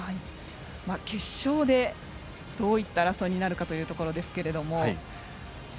決勝でどういった争いになるかというところですけれども。